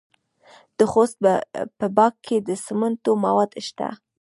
د خوست په باک کې د سمنټو مواد شته.